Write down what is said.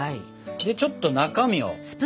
ちょっと中身を。